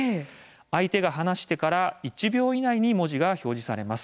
相手が話してから１秒以内に文字が表示されます。